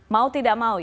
mau tidak mau ya